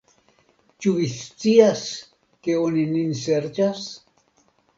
Ĉu vi scias, ke oni nin serĉas?